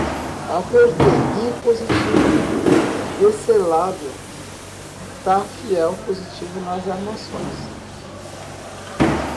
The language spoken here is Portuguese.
Apertei ir positivo de Decelado ta fiel positivo nas Armações